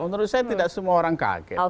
menurut saya tidak semua orang kaget